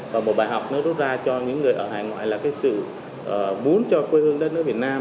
và một bài học nó rút ra cho những người ở hải ngoại là cái sự muốn cho quê hương đất nước việt nam